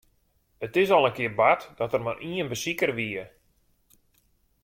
It is al in kear bard dat der mar ien besiker wie.